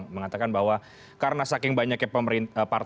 mengatakan bahwa karena saking banyaknya